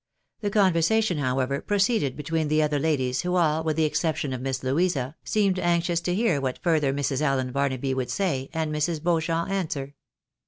The conversation, however, proceeded between the other ladies, who all, with the exception of Miss Louisa, seemed anxious to hear what fur ther Mrs. AUen Barnaby would say, and Mrs. Beauchamp answer.